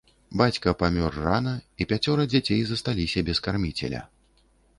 Бацька памёр рана, і пяцёра дзяцей засталіся без карміцеля.